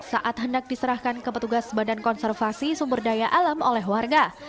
saat hendak diserahkan ke petugas badan konservasi sumber daya alam oleh warga